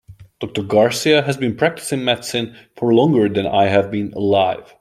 Doctor Garcia has been practicing medicine for longer than I have been alive.